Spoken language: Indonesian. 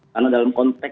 karena dalam konteks